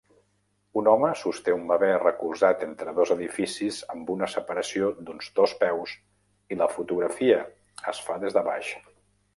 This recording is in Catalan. Un home sosté un bebè recolzat entre dos edificis amb una separació d'uns dos peus i la fotografia es fa des de baix.